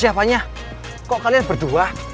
siapanya kok kalian berdua